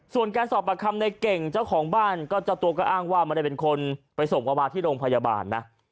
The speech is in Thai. ส่วนการสอบประคำในเก่งเจ้าของบ้านก็เจ้าตัวก็อ้างว่าไม่ได้เป็นคนไปส่งวาวาที่โรงพยาบาลนะ